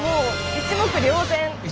一目瞭然。